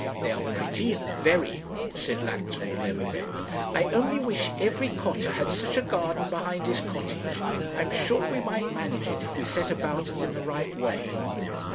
'They are very pretty very,' said Lactimel Neverbend. 'I only wish every cottar had such a garden behind his cottage. I am sure we might manage it, if we set about it in the right way.'